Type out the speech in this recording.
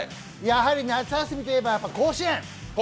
やはり夏休みといえば甲子園。